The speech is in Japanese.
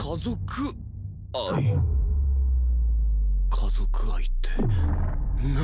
家族愛って何？